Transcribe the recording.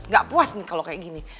gak puas nih kalau kayak gini